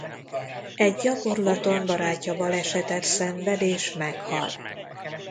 Egy gyakorlaton barátja balesetet szenved és meghal.